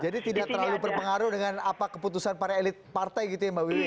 jadi tidak terlalu berpengaruh dengan apa keputusan para elit partai gitu ya mbak wiwi